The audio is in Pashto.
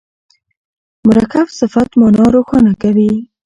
مرکب صفت مانا روښانه کوي.